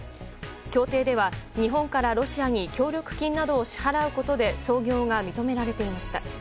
協定では日本からロシアに協力金を支払うことで操業が認められていました。